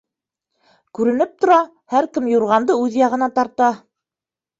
Күренеп тора, һәр кем юрғанды үҙ яғына тарта.